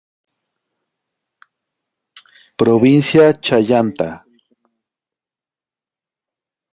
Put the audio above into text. Provincia Chayanta.